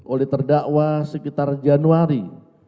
oleh terdakwa sekitar januari dua ribu tujuh belas